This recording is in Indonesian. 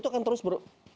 itu kan terus ber